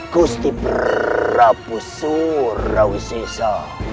gusti prabu surawisisa